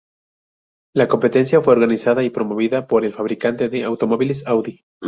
La competencia fue organizada y promovida por el fabricante de automóviles Audi.